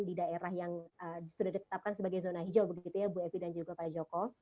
di daerah yang sudah ditetapkan sebagai zona hijau begitu ya bu evi dan juga pak joko